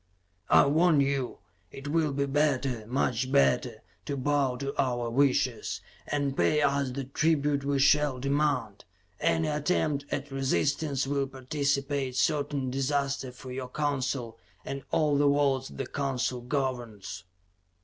"I warn you, it will be better, much better, to bow to our wishes, and pay us the tribute we shall demand. Any attempt at resistance will precipitate certain disaster for your Council and all the worlds the Council governs."